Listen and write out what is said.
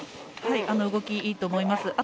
動き、いいと思います。